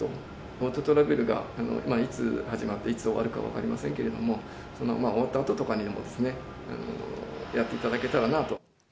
ＧｏＴｏトラベルがいつ始まって、いつ終わるか分かりませんけれども、終わった後とかでもですね、やっていただけたらなと。